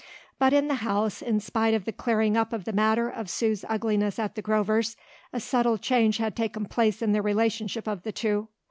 But in the house, in spite of the clearing up of the matter of Sue's ugliness at the Grovers, a subtle change had taken place in the relationship of the two.